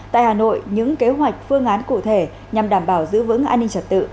tại hà nội những kế hoạch phương án cụ thể nhằm đảm bảo giữ vững an ninh trật tự